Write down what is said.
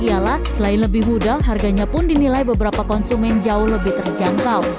ialah selain lebih mudah harganya pun dinilai beberapa konsumen jauh lebih terjangkau